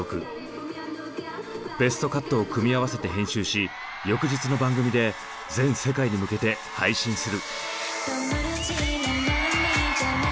ベストカットを組み合わせて編集し翌日の番組で全世界に向けて配信する。